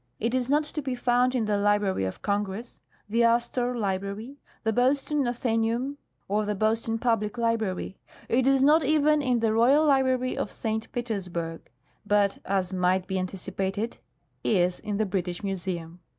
It is not to be found in the Library of Congress, the Astor Library, the Boston Athe naeum, or the ^Boston Public Library. It is not even in the Royal Library at St. Petersburg, but, as might be anticipated, is in the British Museum.